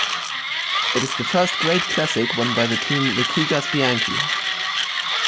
It is the first great classic won by the team Liquigas-Bianchi.